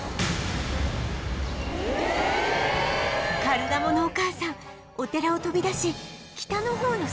カルガモのお母さんお寺を飛び出し北の方の空へ